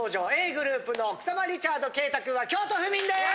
ｇｒｏｕｐの草間リチャード敬太君は京都府民です！